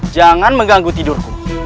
jangan mengganggu tidurku